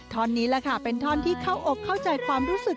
นี้แหละค่ะเป็นท่อนที่เข้าอกเข้าใจความรู้สึก